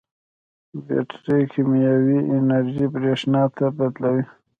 بیټرۍ کیمیاوي انرژي برېښنا ته بدلوي.